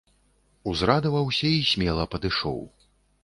Узрадаваўся і смела падышоў.